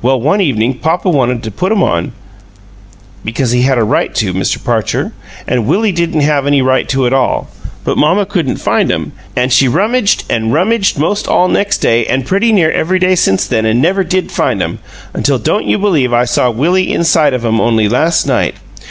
Well, one evening papa wanted to put 'em on, because he had a right to, Mr. Parcher, an' Willie didn't have any right to at all, but mamma couldn't find 'em; an' she rummidged an' rummidged 'most all next day an' pretty near every day since then an' never did find 'em, until don't you believe I saw Willie inside of 'em only last night!